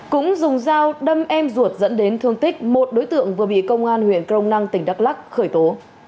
cũng dùng dao đâm em ruột dẫn đến thương tích một đối tượng vừa bị công an huyện crong năng tỉnh đắk lắc khởi tố